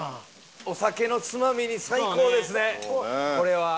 お酒のつまみに最高ですねこれは。